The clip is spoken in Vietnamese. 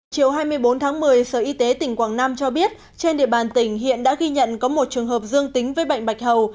chiều hai mươi bốn tháng một mươi sở y tế tỉnh quảng nam cho biết trên địa bàn tỉnh hiện đã ghi nhận có một trường hợp dương tính với bệnh bạch hầu